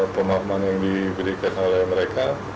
pemahaman yang diberikan oleh mereka